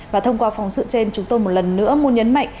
và thông qua phóng sự trên chúng tôi một lần nữa muốn nhấn mạnh